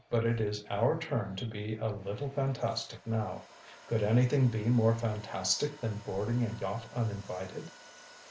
But it is our turn to be a little fantastic now. Could any thing be more fantastic than boarding a yacht uninvited?"